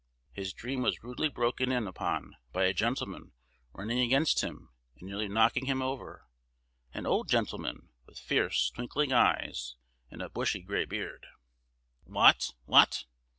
His dream was rudely broken in upon by a gentleman running against him and nearly knocking him over,—an old gentleman, with fierce, twinkling eyes and a bushy gray beard. "What! what!"